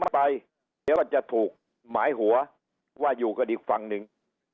เดี๋ยวมันจะถูกหมายหัวว่าอยู่กันอีกฝั่งหนึ่ง